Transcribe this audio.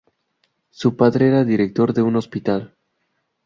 Su padre era director de un hospital.